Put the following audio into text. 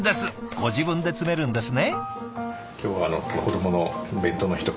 ご自分で詰めるんですね。